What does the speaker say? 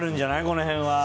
この辺は。